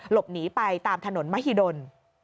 หลบหนีไปตามถนนมหิดล